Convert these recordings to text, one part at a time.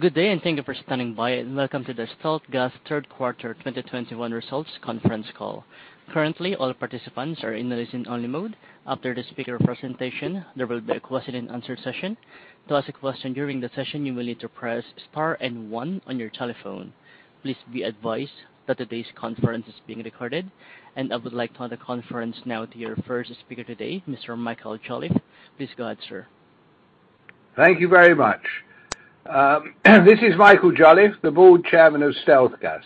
Good day and thank you for standing by, and welcome to the StealthGas Third Quarter 2021 Results Conference Call. Currently, all participants are in a listen-only mode. After the speaker presentation, there will be a question-and-answer session. To ask a question during the session, you will need to press star and one on your telephone. Please be advised that today's conference is being recorded. I would like to hand the conference now to your first speaker today, Mr. Michael Jolliffe. Please go ahead, sir. Thank you very much. This is Michael Jolliffe, the Board Chairman of StealthGas.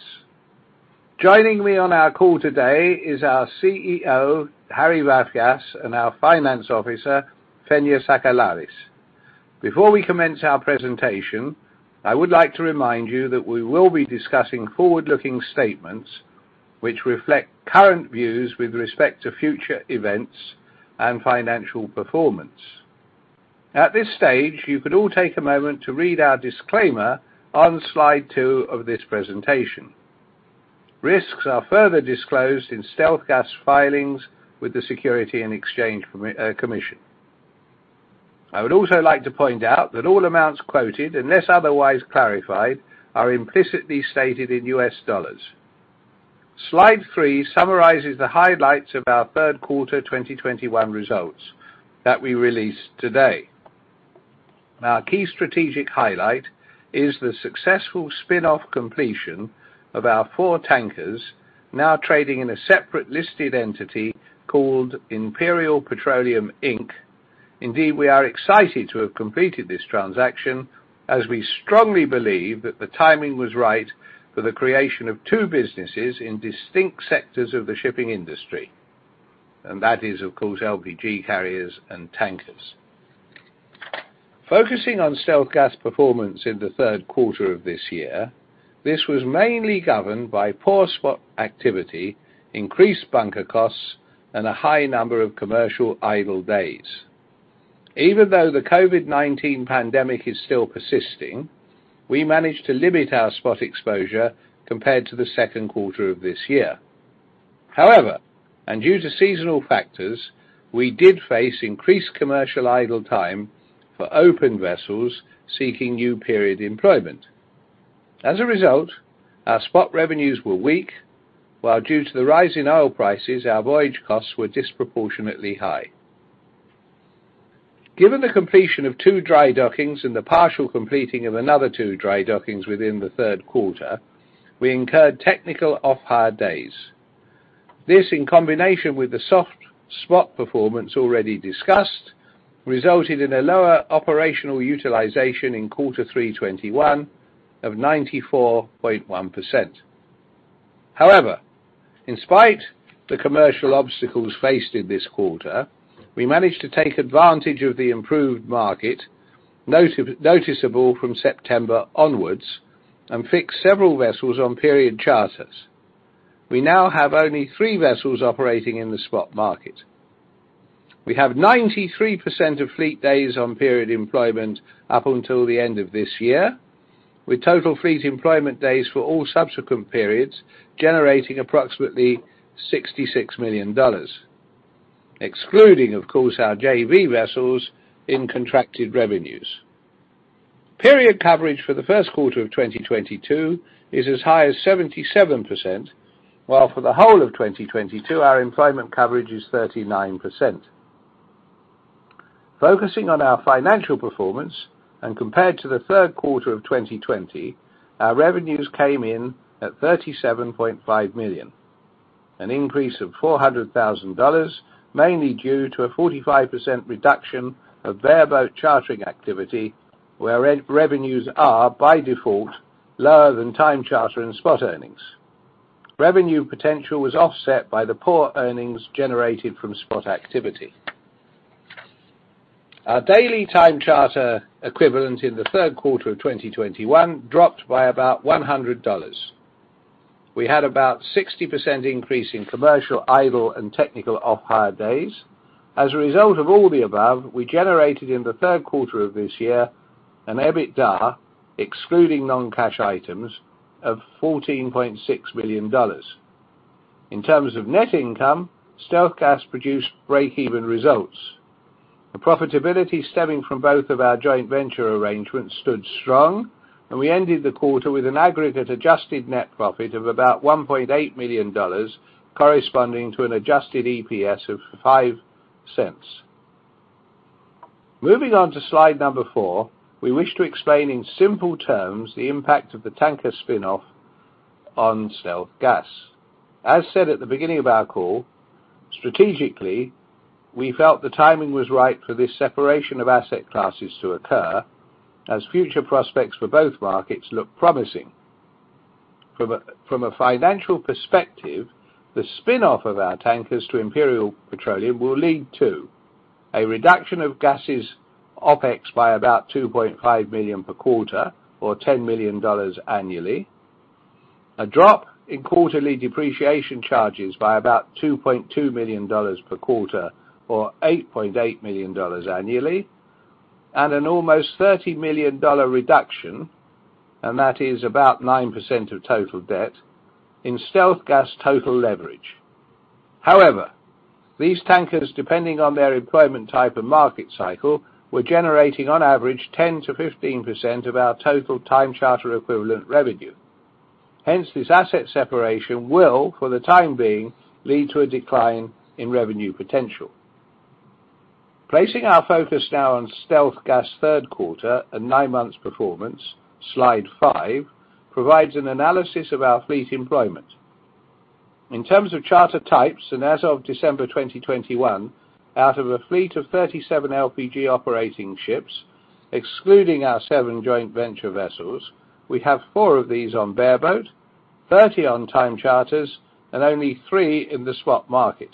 Joining me on our call today is our CEO, Harry Vafias, and our Finance Officer, Konstantinos Sistovaris. Before we commence our presentation, I would like to remind you that we will be discussing forward-looking statements which reflect current views with respect to future events and financial performance. At this stage, you could all take a moment to read our disclaimer on slide two of this presentation. Risks are further disclosed in StealthGas filings with the Securities and Exchange Commission. I would also like to point out that all amounts quoted, unless otherwise clarified, are implicitly stated in US dollars. Slide three summarizes the highlights of our third quarter 2021 results that we released today. Now, our key strategic highlight is the successful spin-off completion of our four tankers now trading in a separate listed entity called Imperial Petroleum Inc. Indeed, we are excited to have completed this transaction, as we strongly believe that the timing was right for the creation of two businesses in distinct sectors of the shipping industry. That is, of course, LPG carriers and tankers. Focusing on StealthGas performance in the third quarter of this year, this was mainly governed by poor spot activity, increased bunker costs, and a high number of commercial idle days. Even though the COVID-19 pandemic is still persisting, we managed to limit our spot exposure compared to the second quarter of this year. However, due to seasonal factors, we did face increased commercial idle time for open vessels seeking new period employment. As a result, our spot revenues were weak, while due to the rise in oil prices, our voyage costs were disproportionately high. Given the completion of two dry dockings and the partial completion of another two dry dockings within the third quarter, we incurred technical off-hire days. This, in combination with the soft spot performance already discussed, resulted in a lower operational utilization in quarter three 2021 of 94.1%. However, in spite of the commercial obstacles faced in this quarter, we managed to take advantage of the improved market noticeable from September onwards and fixed several vessels on period charters. We now have only three vessels operating in the spot market. We have 93% of fleet days on period employment up until the end of this year, with total fleet employment days for all subsequent periods generating approximately $66 million, excluding, of course, our JV vessels in contracted revenues. Period coverage for the first quarter of 2022 is as high as 77%, while for the whole of 2022, our employment coverage is 39%. Focusing on our financial performance and compared to the third quarter of 2020, our revenues came in at $37.5 million, an increase of $0.4 million, mainly due to a 45% reduction of bareboat chartering activity where revenues are, by default, lower than time charter and spot earnings. Revenue potential was offset by the poor earnings generated from spot activity. Our daily time charter equivalent in the third quarter of 2021 dropped by about $100. We had about 60% increase in commercial idle and technical off-hire days. As a result of all the above, we generated in the third quarter of this year an EBITDA excluding non-cash items of $14.6 million. In terms of net income, StealthGas produced break-even results. The profitability stemming from both of our joint venture arrangements stood strong, and we ended the quarter with an aggregate adjusted net profit of about $1.8 million, corresponding to an adjusted EPS of $0.05. Moving on to slide four, we wish to explain in simple terms the impact of the tanker spin-off on StealthGas. As said at the beginning of our call, strategically, we felt the timing was right for this separation of asset classes to occur as future prospects for both markets look promising. From a financial perspective, the spin-off of our tankers to Imperial Petroleum will lead to a reduction of GASS's OpEx by about $2.5 million per quarter or $10 million annually, a drop in quarterly depreciation charges by about $2.2 million per quarter or $8.8 million annually, and an almost $30 million reduction, and that is about 9% of total debt, in StealthGas total leverage. However, these tankers, depending on their employment type and market cycle, were generating on average 10%-15% of our total time charter equivalent revenue. Hence, this asset separation will, for the time being, lead to a decline in revenue potential. Placing our focus now on StealthGas third quarter and nine months performance, slide five provides an analysis of our fleet employment. In terms of charter types, and as of December 2021, out of a fleet of 37 LPG operating ships, excluding our seven joint venture vessels, we have four of these on bareboat, 30 on time charters, and only three in the spot market.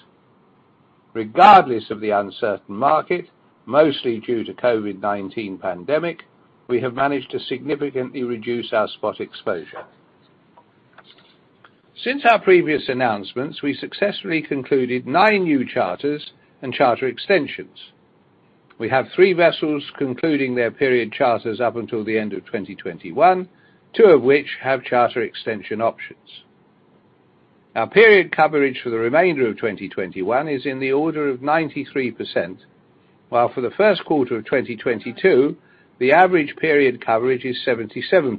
Regardless of the uncertain market, mostly due to COVID-19 pandemic, we have managed to significantly reduce our spot exposure. Since our previous announcements, we successfully concluded nine new charters and charter extensions. We have three vessels concluding their period charters up until the end of 2021, two of which have charter extension options. Our period coverage for the remainder of 2021 is in the order of 93%, while for the first quarter of 2022, the average period coverage is 77%.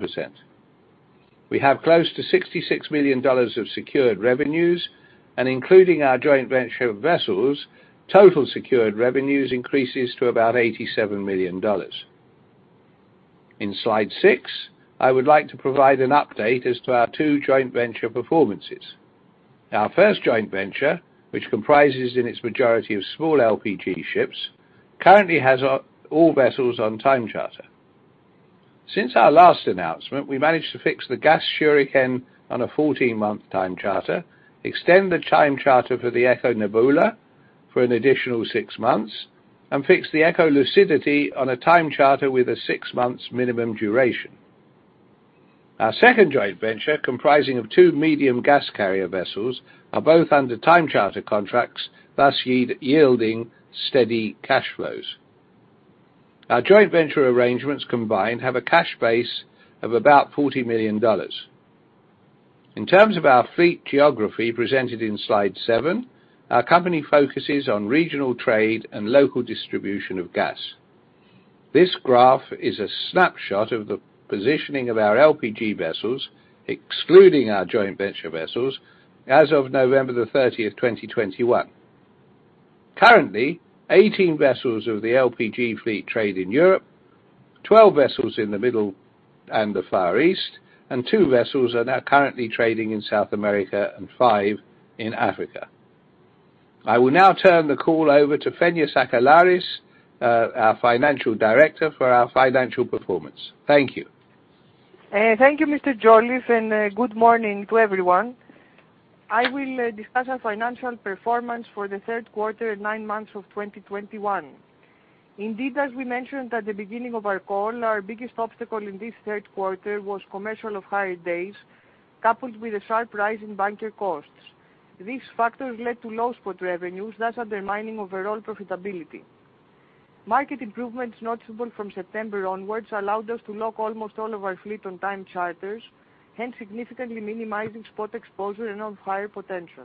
We have close to $66 million of secured revenues, and including our joint venture vessels, total secured revenues increases to about $87 million. In slide six, I would like to provide an update as to our two joint venture performances. Our first joint venture, which comprises in its majority of small LPG ships, currently has all vessels on time charter. Since our last announcement, we managed to fix the Gas Shuriken on a 14-month time charter, extend the time charter for the Eco Nebula for an additional six months, and fix the Eco Lucidity on a time charter with a six months minimum duration. Our second joint venture, comprising of two medium gas carrier vessels, are both under time charter contracts, thus yielding steady cash flows. Our joint venture arrangements combined have a cash base of about $40 million. In terms of our fleet geography presented in slide seven, our company focuses on regional trade and local distribution of gas. This graph is a snapshot of the positioning of our LPG vessels, excluding our joint venture vessels, as of November 30, 2021. Currently, 18 vessels of the LPG fleet trade in Europe, 12 vessels in the Middle and the Far East, and two vessels are now currently trading in South America and five in Africa. I will now turn the call over to Konstantinos Sistovaris, our financial director, for our financial performance. Thank you. Thank you, Mr. Jolliffe, and good morning to everyone. I will discuss our financial performance for the third quarter and nine months of 2021. Indeed, as we mentioned at the beginning of our call, our biggest obstacle in this third quarter was commercial off-hire days, coupled with a sharp rise in bunker costs. These factors led to low spot revenues, thus undermining overall profitability. Market improvements noticeable from September onwards allowed us to lock almost all of our fleet on time charters, hence significantly minimizing spot exposure and off-hire potential.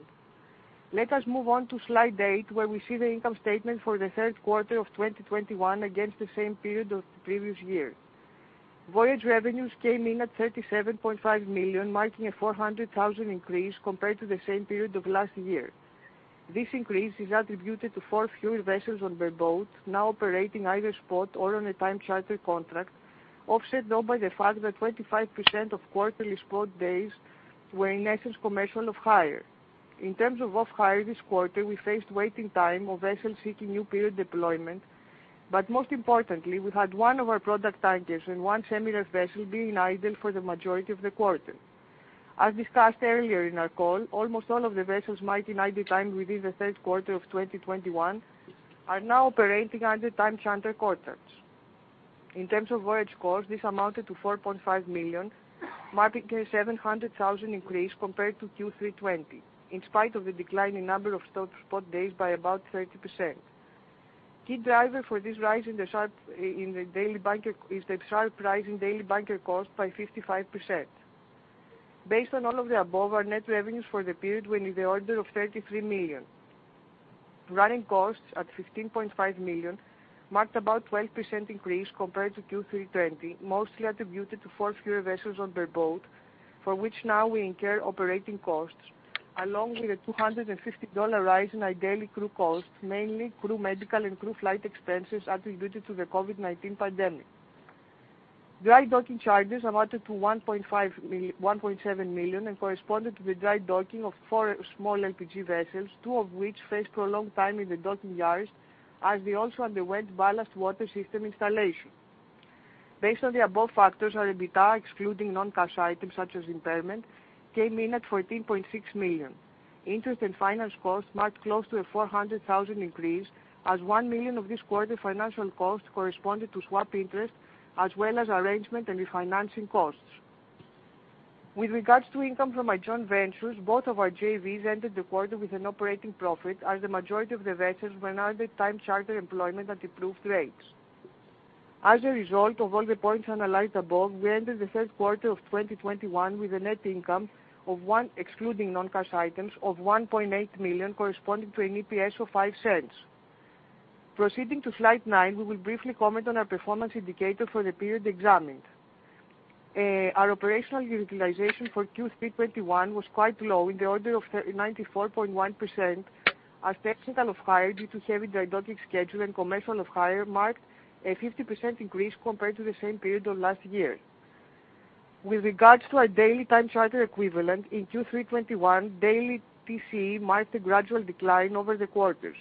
Let us move on to slide eight, where we see the income statement for the third quarter of 2021 against the same period of the previous year. Voyage revenues came in at $37.5 million, marking a $0.4 million increase compared to the same period of last year. This increase is attributed to four fewer vessels on bareboat now operating either spot or on a time charter contract, offset though by the fact that 25% of quarterly spot days were in essence commercial off-hire. In terms of off-hire this quarter, we faced waiting time of vessels seeking new period deployment. Most importantly, we had one of our product tankers and one semi-ref vessel being idle for the majority of the quarter. As discussed earlier in our call, almost all of the vessels that were idle within the third quarter of 2021 are now operating under time charter contracts. In terms of voyage costs, this amounted to $4.5 million, marking a $0.7 million increase compared to Q3 2020, in spite of the decline in number of spot days by about 30%. Key driver for this rise in the daily bunker is the sharp rise in daily bunker cost by 55%. Based on all of the above, our net revenues for the period were in the order of $33 million. Running costs at $15.5 million marked about 12% increase compared to Q3 2020, mostly attributed to four fewer vessels on bareboat, for which now we incur operating costs along with a $250 rise in our daily crew costs, mainly crew medical and crew flight expenses attributed to the COVID-19 pandemic. Dry docking charges amounted to $1.7 million and corresponded to the dry docking of four small LPG vessels, two of which faced prolonged time in the docking yards as they also underwent ballast water system installation. Based on the above factors, our EBITDA, excluding non-cash items such as impairment, came in at $14.6 million. Interest and finance costs marked close to a $0.4 million increase as $1 million of this quarter financial cost corresponded to swap interest as well as arrangement and refinancing costs. With regards to income from our joint ventures, both of our JVs entered the quarter with an operating profit as the majority of the vessels were under time charter employment at improved rates. As a result of all the points analyzed above, we ended the third quarter of 2021 with a net income of $1 million excluding non-cash items of $1.8 million corresponding to an EPS of $0.05. Proceeding to slide nine, we will briefly comment on our performance indicator for the period examined. Our operational utilization for Q3 2021 was quite low in the order of 94.1% as technical off-hire due to heavy drydocking schedule and commercial off-hire marked a 50% increase compared to the same period of last year. With regards to our daily time charter equivalent in Q3 2021, daily TCE marked a gradual decline over the quarters.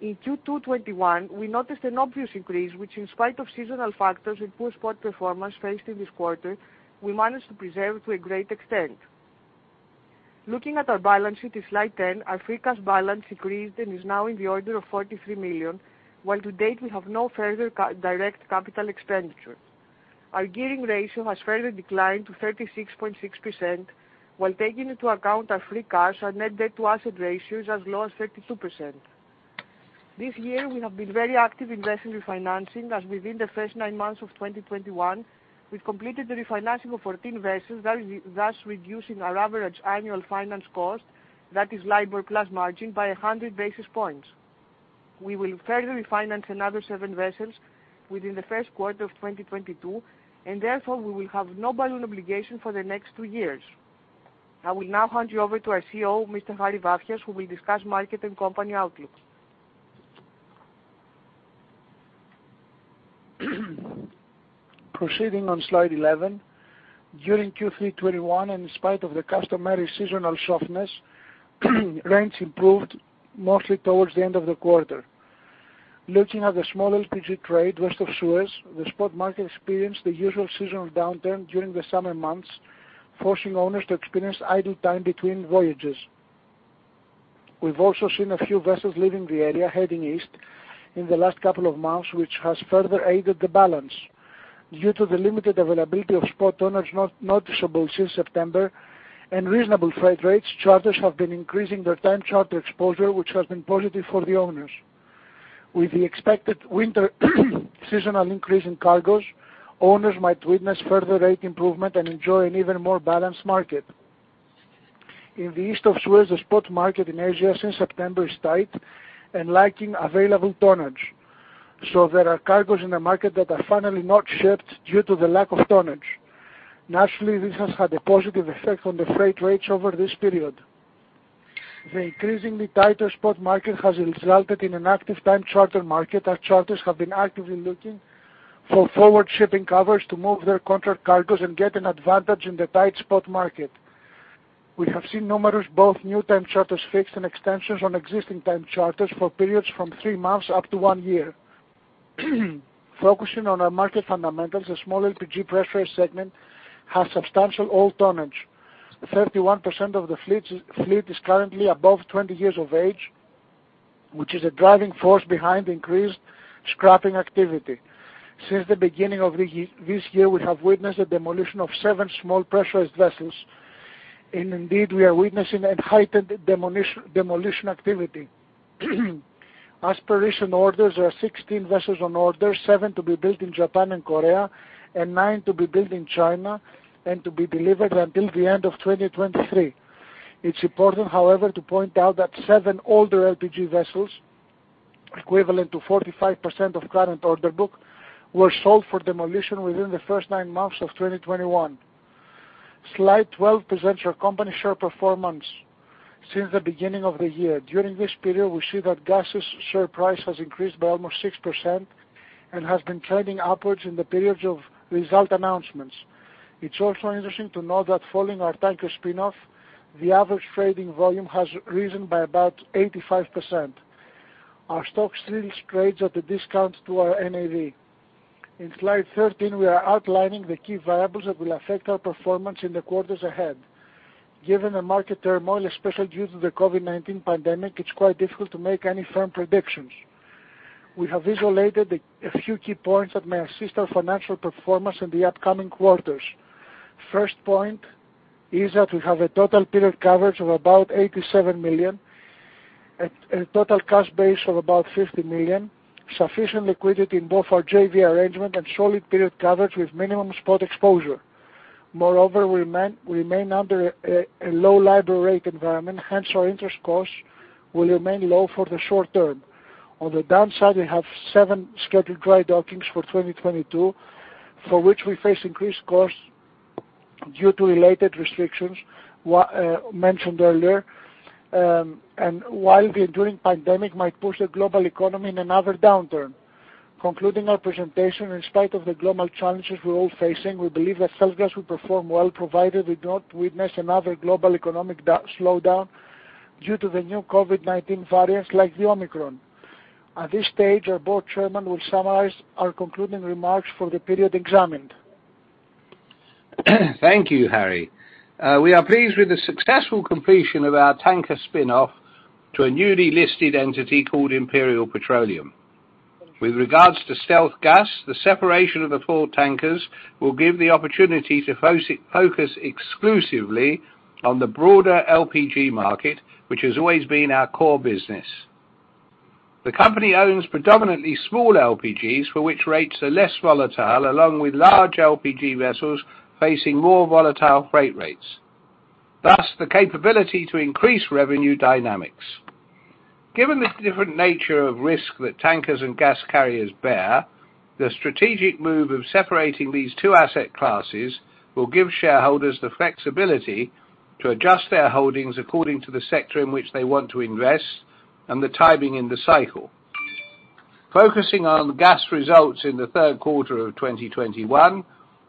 In Q2 2021, we noticed an obvious increase which in spite of seasonal factors and poor spot performance faced in this quarter, we managed to preserve to a great extent. Looking at our balance sheet in slide 10, our free cash balance increased and is now in the order of $43 million, while to date we have no further capital expenditure. Our gearing ratio has further declined to 36.6% while taking into account our free cash, our net debt to asset ratio is as low as 32%. This year, we have been very active in vessel refinancing as within the first nine months of 2021, we've completed the refinancing of 14 vessels thus reducing our average annual finance cost, that is LIBOR+ margin, by 100 basis points. We will further refinance another seven vessels within the first quarter of 2022, and therefore we will have no balloon obligation for the next two years. I will now hand you over to our CEO, Mr. Harry Vafias, who will discuss market and company outlooks. Proceeding on slide 11, during Q3 2021 and in spite of the customary seasonal softness, rates improved mostly towards the end of the quarter. Looking at the small LPG trade West of Suez, the spot market experienced the usual seasonal downturn during the summer months, forcing owners to experience idle time between voyages. We've also seen a few vessels leaving the area heading east in the last couple of months, which has further aided the balance. Due to the limited availability of spot owners noticeable since September and reasonable freight rates, charters have been increasing their time charter exposure, which has been positive for the owners. With the expected winter seasonal increase in cargoes, owners might witness further rate improvement and enjoy an even more balanced market. In the East of Suez, the spot market in Asia since September is tight and lacking available tonnage. There are cargoes in the market that are finally not shipped due to the lack of tonnage. Naturally, this has had a positive effect on the freight rates over this period. The increasingly tighter spot market has resulted in an active time charter market, as charters have been actively looking for forward shipping covers to move their contract cargoes and get an advantage in the tight spot market. We have seen numerous both new time charters fixed and extensions on existing time charters for periods from three months up to one year. Focusing on our market fundamentals, the small LPG pressurized segment has substantial old tonnage. 31% of the fleet is currently above 20 years of age, which is a driving force behind increased scrapping activity. Since the beginning of this year, we have witnessed the demolition of seven small pressurized vessels, and indeed, we are witnessing a heightened demolition activity. As per recent orders, there are 16 vessels on order: seven to be built in Japan and Korea, and nine to be built in China and to be delivered until the end of 2023. It's important, however, to point out that seven older LPG vessels, equivalent to 45% of current order book, were sold for demolition within the first nine months of 2021. Slide 12 presents our company share performance since the beginning of the year. During this period, we see that GASS' share price has increased by almost 6% and has been trending upwards in the periods of result announcements. It's also interesting to note that following our tanker spin-off, the average trading volume has risen by about 85%. Our stock still trades at a discount to our NAV. In slide 13, we are outlining the key variables that will affect our performance in the quarters ahead. Given the market turmoil, especially due to the COVID-19 pandemic, it's quite difficult to make any firm predictions. We have isolated a few key points that may assist our financial performance in the upcoming quarters. First point is that we have a total period coverage of about $87 million, a total cash base of about $50 million, sufficient liquidity in both our JV arrangements, and solid period coverage with minimum spot exposure. Moreover, we remain under a low LIBOR rate environment, hence our interest costs will remain low for the short term. On the downside, we have seven scheduled dry dockings for 2022, for which we face increased costs due to related restrictions mentioned earlier, and while the enduring pandemic might push the global economy into another downturn. Concluding our presentation, in spite of the global challenges we're all facing, we believe that StealthGas will perform well, provided we do not witness another global economic slowdown due to the new COVID-19 variants like the Omicron. At this stage, our Board Chairman will summarize our concluding remarks for the period examined. Thank you, Harry. We are pleased with the successful completion of our tanker spin-off to a newly listed entity called Imperial Petroleum. With regards to StealthGas, the separation of the four tankers will give the opportunity to focus exclusively on the broader LPG market, which has always been our core business. The company owns predominantly small LPGs, for which rates are less volatile, along with large LPG vessels facing more volatile freight rates, thus the capability to increase revenue dynamics. Given the different nature of risk that tankers and gas carriers bear, the strategic move of separating these two asset classes will give shareholders the flexibility to adjust their holdings according to the sector in which they want to invest and the timing in the cycle. Focusing on gas results in the third quarter of 2021,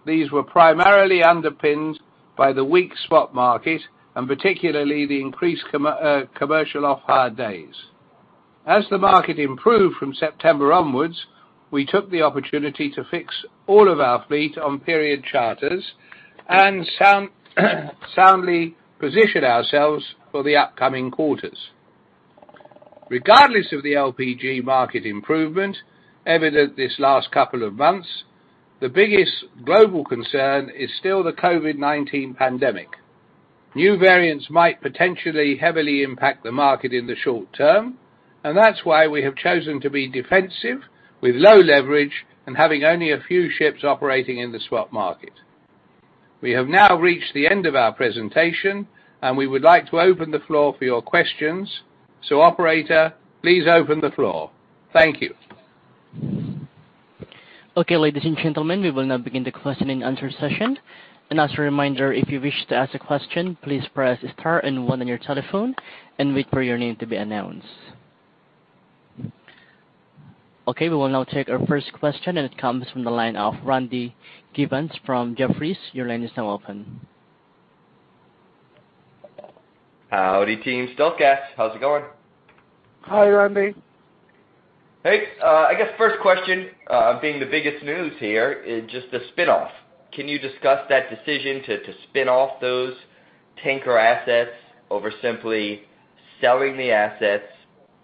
these were primarily underpinned by the weak spot market, and particularly the increased commercial off-hire days. As the market improved from September onwards, we took the opportunity to fix all of our fleet on period charters and soundly position ourselves for the upcoming quarters. Regardless of the LPG market improvement evident this last couple of months, the biggest global concern is still the COVID-19 pandemic. New variants might potentially heavily impact the market in the short term, and that's why we have chosen to be defensive with low leverage and having only a few ships operating in the swap market. We have now reached the end of our presentation, and we would like to open the floor for your questions. Operator, please open the floor. Thank you. Okay, ladies and gentlemen, we will now begin the question and answer session. As a reminder, if you wish to ask a question, please press star and one on your telephone and wait for your name to be announced. Okay, we will now take our first question, and it comes from the line of Randy Giveans from Jefferies. Your line is now open. Harry, team StealthGas, how's it going? Hi, Randy. Hey. I guess first question, being the biggest news here is just the spin-off. Can you discuss that decision to spin off those tanker assets over simply selling the assets,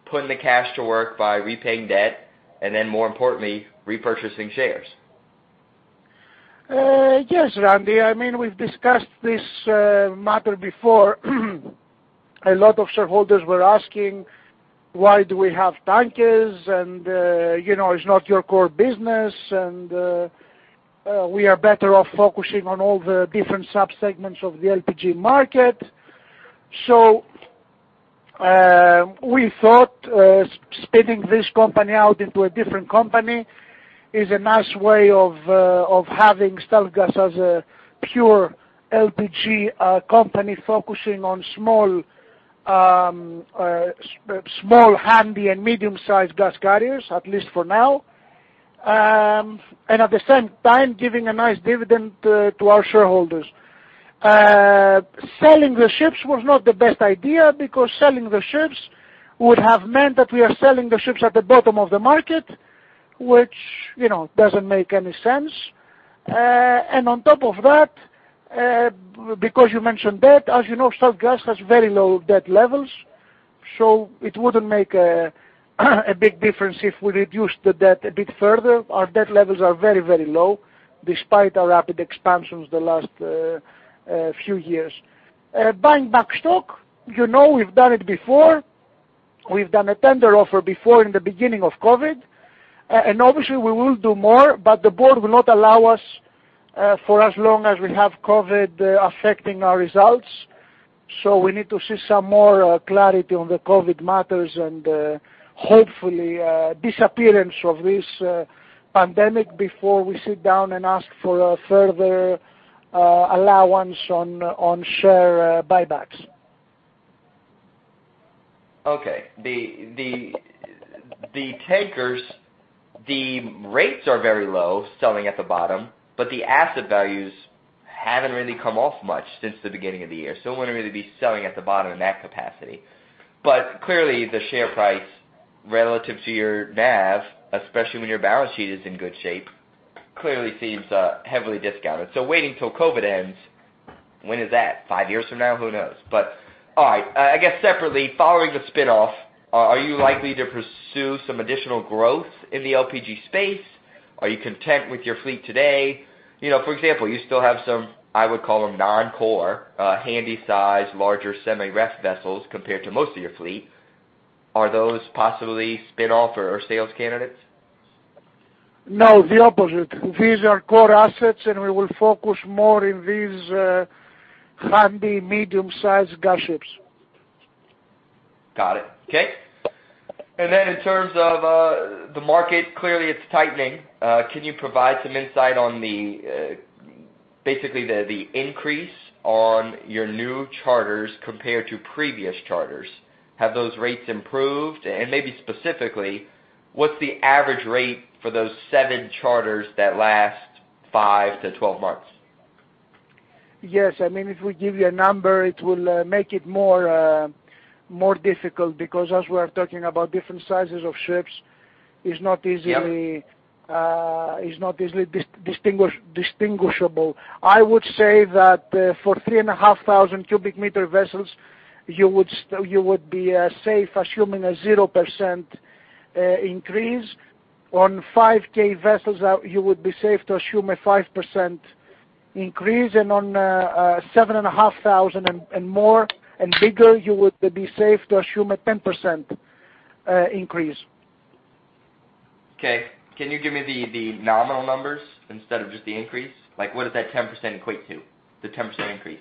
putting the cash to work by repaying debt, and then more importantly, repurchasing shares? Yes, Randy. I mean, we've discussed this matter before. A lot of shareholders were asking why do we have tankers and, you know, it's not your core business and, we are better off focusing on all the different subsegments of the LPG market. We thought spinning this company out into a different company is a nice way of having StealthGas as a pure LPG company focusing on small handy and medium-sized gas carriers, at least for now, and at the same time giving a nice dividend to our shareholders. Selling the ships was not the best idea because selling the ships would have meant that we are selling the ships at the bottom of the market, which, you know, doesn't make any sense. On top of that, because you mentioned debt, as you know, StealthGas has very low debt levels, so it wouldn't make a big difference if we reduce the debt a bit further. Our debt levels are very, very low despite our rapid expansions the last few years. Buying back stock, you know, we've done it before. We've done a tender offer before in the beginning of COVID. Obviously we will do more, but the board will not allow us for as long as we have COVID affecting our results. We need to see some more clarity on the COVID matters and hopefully disappearance of this pandemic before we sit down and ask for a further allowance on share buybacks. Okay. The tankers, the rates are very low selling at the bottom, but the asset values haven't really come off much since the beginning of the year. We want to really be selling at the bottom in that capacity. Clearly, the share price relative to your NAV, especially when your balance sheet is in good shape, clearly seems heavily discounted. Waiting till COVID ends, when is that? Five years from now? Who knows. All right. I guess separately, following the spin-off, are you likely to pursue some additional growth in the LPG space? Are you content with your fleet today? You know, for example, you still have some, I would call them non-core, handy size, larger semi-ref vessels compared to most of your fleet. Are those possibly spin-off or sales candidates? No, the opposite. These are core assets, and we will focus more in these, handy medium-sized gas ships. Got it. Okay. In terms of the market, clearly it's tightening. Can you provide some insight on basically the increase on your new charters compared to previous charters? Have those rates improved? Maybe specifically, what's the average rate for those seven charters that last five to 12 months? Yes. I mean, if we give you a number, it will make it more difficult because as we are talking about different sizes of ships is not easily... is not easily distinguishable. I would say that for 3,500 cubic meter vessels, you would be safe assuming a 0% increase. On 5,000 vessels or, you would be safe to assume a 5% increase; on 7,500 cubic meter vessels and more and bigger, you would be safe to assume a 10% increase. Okay. Can you give me the nominal numbers instead of just the increase? Like, what does that 10% equate to, the 10% increase?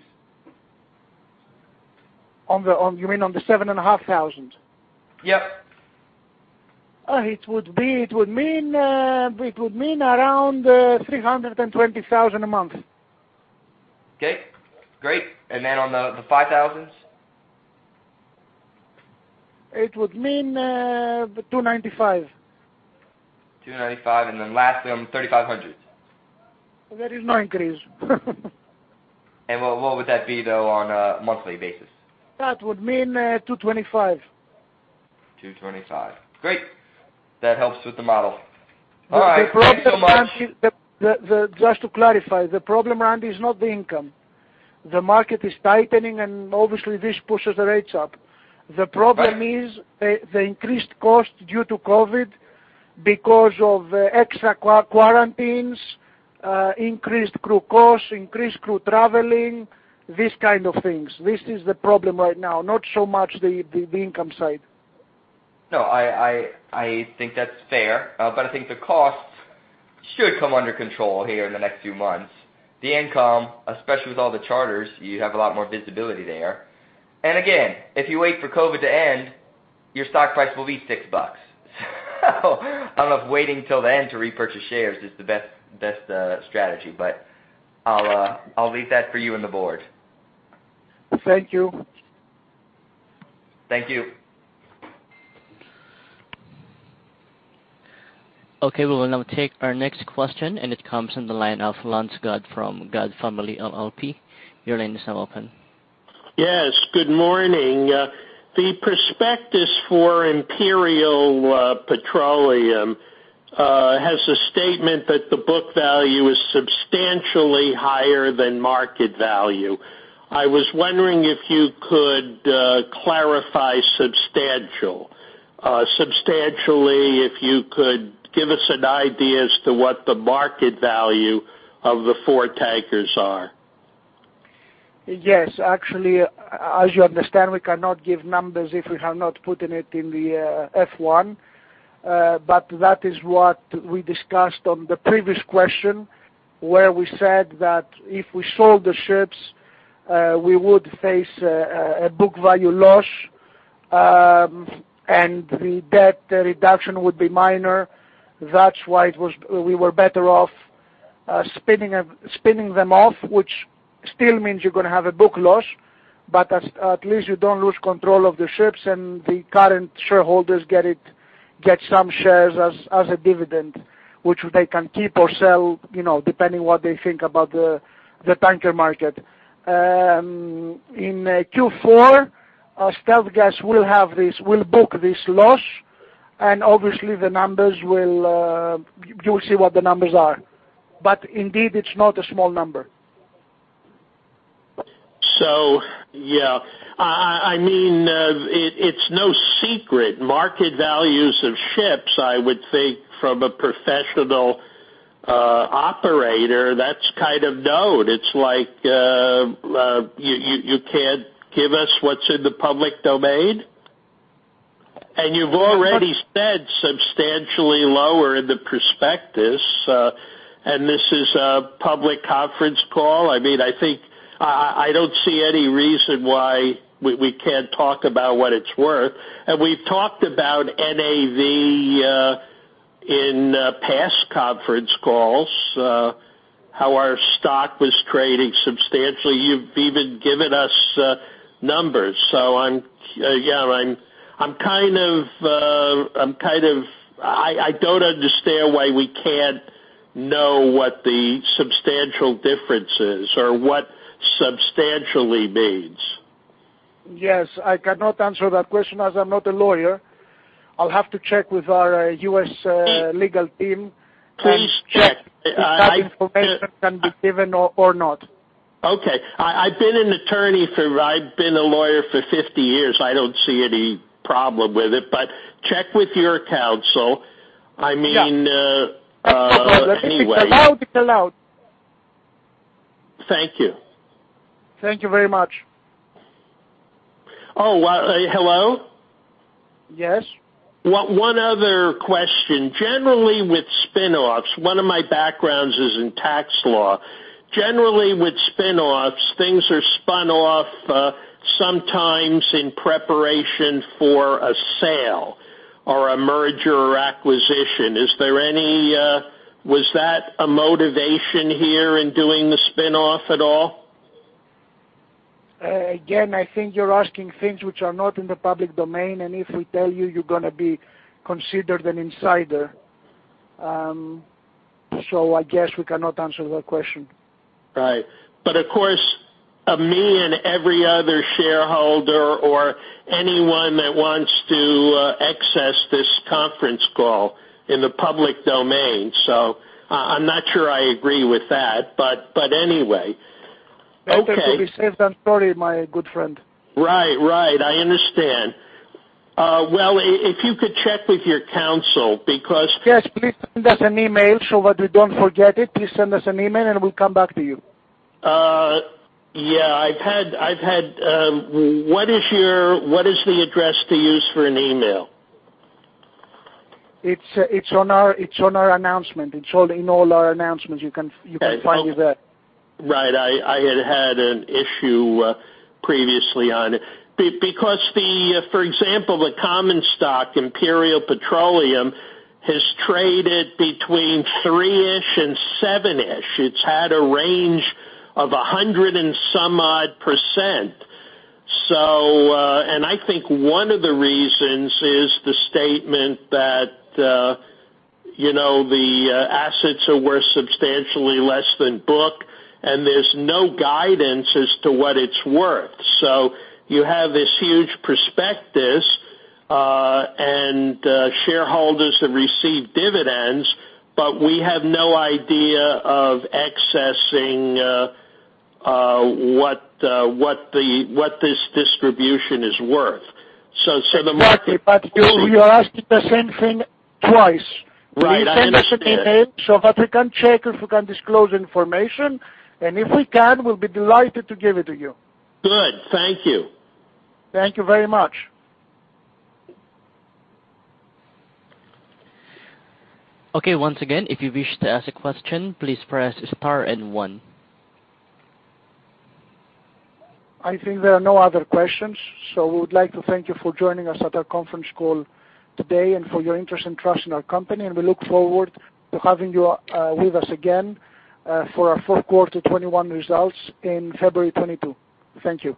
You mean on the 7,500 cubic meter vessels? Yep. It would mean around $320,000 a month. Okay, great. On the 5,000 cubic meter vessels? It would mean $295,000. $295,000. Lastly on 3,500 cubic meter vessels. There is no increase. What would that be though on a monthly basis? That would mean, $225,000. $225,000. Great. That helps with the model. All right. Thank you so much. Just to clarify, the problem, Randy, is not the income. The market is tightening, and obviously this pushes the rates up. The problem is the increased cost due to COVID because of extra quarantines, increased crew costs, increased crew traveling—these kind of things. This is the problem right now, not so much the income side. No, I think that's fair. I think the costs should come under control here in the next few months. The income, especially with all the charters, you have a lot more visibility there. Again, if you wait for COVID to end, your stock price will be $6. I don't know if waiting till the end to repurchase shares is the best strategy. I'll leave that for you and the board. Thank you. Thank you. Okay. We will now take our next question, and it comes from the line of Lance Gad from Gad Partners. Your line is now open. Yes, good morning. The prospectus for Imperial Petroleum has a statement that the book value is substantially higher than market value. I was wondering if you could clarify substantially if you could give us an idea as to what the market value of the four tankers are. Yes. Actually, as you understand, we cannot give numbers if we have not put it in the F-1. That is what we discussed on the previous question, where we said that if we sold the ships, we would face a book value loss, and the debt reduction would be minor. That's why we were better off spinning them off, which still means you're gonna have a book loss, but at least you don't lose control of the ships and the current shareholders get some shares as a dividend, which they can keep or sell, you know, depending what they think about the tanker market. In Q4, StealthGas will book this loss, and obviously you will see what the numbers are. Indeed, it's not a small number. Yeah. I mean, it's no secret market values of ships. I would think from a professional operator, that's kind of known. It's like, you can't give us what's in the public domain? You've already said substantially lower in the prospectus, and this is a public conference call. I mean, I don't see any reason why we can't talk about what it's worth. We've talked about NAV in past conference calls, how our stock was trading substantially. You've even given us numbers. I'm kind of... I don't understand why we can't know what the substantial difference is or what substantially means. Yes. I cannot answer that question, as I'm not a lawyer. I'll have to check with our U.S. legal team. Please check. I- if that information can be given or not. Okay. I've been a lawyer for 50 years. I don't see any problem with it, but check with your counsel. I mean. Yeah. Anyway. It's allowed. Thank you. Thank you very much. Oh, well, hello? Yes. One other question. Generally, with spinoffs, one of my backgrounds is in tax law. Generally, with spinoffs, things are spun off, sometimes in preparation for a sale or a merger or acquisition. Was that a motivation here in doing the spinoff at all? Again, I think you're asking things which are not in the public domain, and if we tell you're gonna be considered an insider. I guess we cannot answer that question. Right. Of course, me and every other shareholder or anyone that wants to access this conference call in the public domain. I’m not sure I agree with that, but anyway, okay. Better to be safe than sorry, my good friend. Right. I understand, well, if you could check with your counsel because. Yes, please send us an email so that we don't forget it. Please send us an email, and we'll come back to you. Yeah. I've had. What is the address to use for an email? It's on our announcement. It's all in our announcements. You can find it there. Right. I had an issue previously on it. Because, for example, the common stock, Imperial Petroleum, has traded between $3-ish and $7-ish. It's had a range of 100 and some odd %. I think one of the reasons is the statement that the assets are worth substantially less than book, and there's no guidance as to what it's worth. You have this huge prospectus, and shareholders have received dividends, but we have no idea of assessing what this distribution is worth. The market- Exactly. You asked the same thing twice. Right. Will you send us an email so that we can check if we can disclose information? If we can, we'll be delighted to give it to you. Good. Thank you. Thank you very much. Okay. Once again, if you wish to ask a question, please press star and one. I think there are no other questions. We would like to thank you for joining us at our conference call today and for your interest and trust in our company, and we look forward to having you with us again for our fourth quarter 2021 results in February 2022. Thank you.